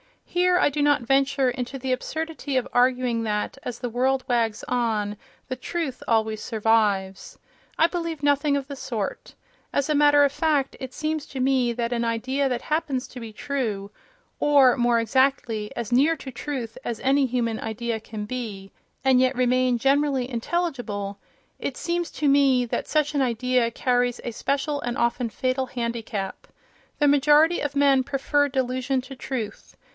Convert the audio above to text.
Here I do not venture into the absurdity of arguing that, as the world wags on, the truth always survives. I believe nothing of the sort. As a matter of fact, it seems to me that an idea that happens to be true—or, more exactly, as near to truth as any human idea can be, and yet remain generally intelligible—it seems to me that such an idea carries a special and often fatal handi cap. The majority of men prefer delusion to truth.